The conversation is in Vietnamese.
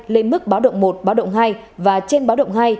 lên mức báo động một báo động hai và trên báo động hai